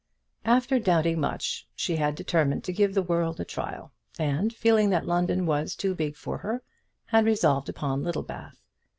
After doubting much, she had determined to give the world a trial, and, feeling that London was too big for her, had resolved upon Littlebath.